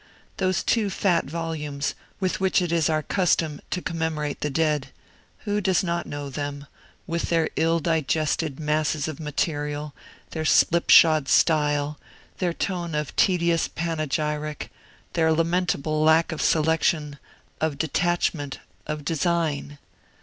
Those two fat volumes, with which it is our custom to commemorate the dead who does not know them, with their ill digested masses of material, their slipshod style, their tone of tedious panegyric, their lamentable lack of selection, of detachment, of design?